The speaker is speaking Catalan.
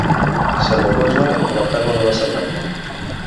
Sallagosa, la perla de la Cerdanya.